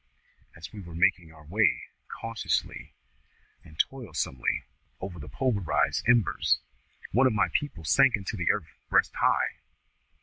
As we were making our way, cautiously and toilsomely, over the pulverised embers, one of my people sank into the earth breast high.